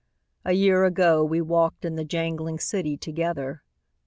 ... A year ago we walked in the jangling city Together